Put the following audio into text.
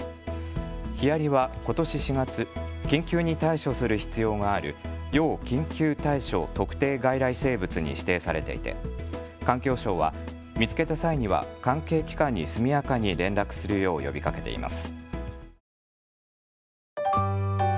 ヒアリはことし４月、緊急に対処する必要がある要緊急対処特定外来生物に指定されていて環境省は見つけた際には関係機関に速やかに連絡するよう呼びかけています。